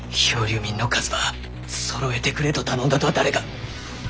漂流民の数ばそろえてくれと頼んだとは誰か。